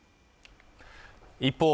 一方